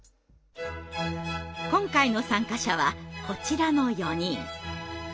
今回の参加者はこちらの４人。